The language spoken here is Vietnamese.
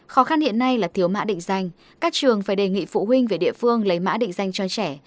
khó khăn hiện nay là thiếu mã định danh các trường phải đề nghị phụ huynh về địa phương lấy mã định danh cho trẻ